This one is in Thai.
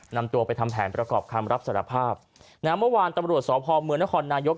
นำตัวไปทำแผนประกอบคำรับสารภาพนะฮะเมื่อวานตำรวจสพเมืองนครนายก